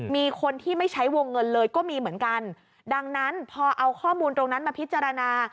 มีคนที่ไม่ใช้วงเงินเลยก็มีเหมือนกันดังนั้นพอเอาข้อมูลตรงนั้นมาพิจารณา